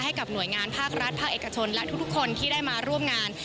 ให้กับหน่วยงานภาครัฐภาคเอกชนและทุกคนที่ได้มาร่วมงาน